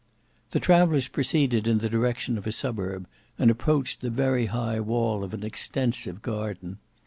The travellers proceeded in the direction of a suburb and approached the very high wall of an extensive garden.